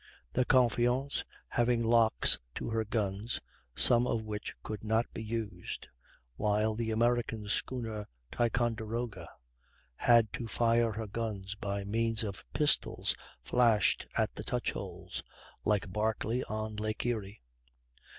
the Confiance having locks to her guns, some of which could not be used, while the American schooner Ticonderoga had to fire her guns by means of pistols flashed at the touchholes (like Barclay on Lake Erie).